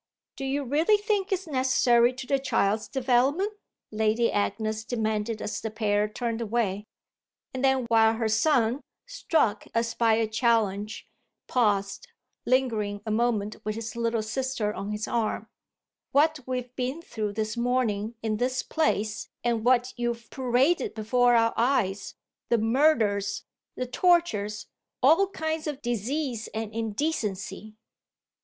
"Do you really think it's necessary to the child's development?" Lady Agnes demanded as the pair turned away. And then while her son, struck as by a challenge, paused, lingering a moment with his little sister on his arm: "What we've been through this morning in this place, and what you've paraded before our eyes the murders, the tortures, all kinds of disease and indecency!"